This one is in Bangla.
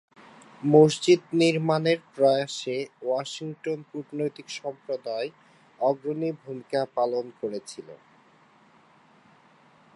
মসজিদ নির্মাণের প্রয়াসে ওয়াশিংটন কূটনৈতিক সম্প্রদায় অগ্রণী ভূমিকা পালন করেছিল।